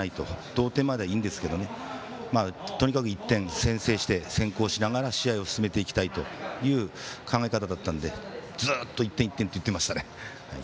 同点まではいいんですけどとにかく１点先制して先行しながら試合を進めていきたいという考え方だったんでずっと１点、１点って言ってましたね。